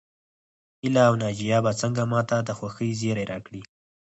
هيله او ناجيه به څنګه ماته د خوښۍ زيری راکړي